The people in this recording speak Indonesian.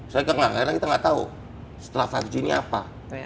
saya kagak kagak kita gak tau setelah lima g ini apa